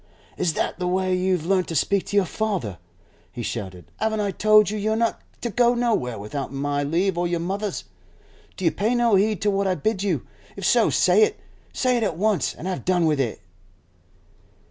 'Is that the way you've learnt to speak to your father?' he shouted. 'Haven't I told you you're not to go nowhere without my leave or your mother's? Do you pay no heed to what I bid you? If so, say it! Say it at once, and have done with it.